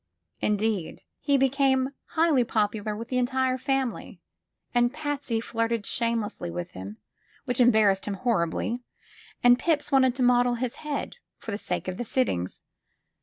Indeed, he became highly popular with the entire fam ily, and Patsy flirted shamelessly with him, which em barrassed him horribly, and Pips wanted to model his head, for the sake of the sittings.